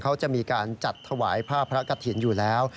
เขาจะมีการจัดถวายผ้าพระกฐินอยู่แล้ว